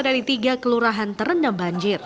dari tiga kelurahan terendam banjir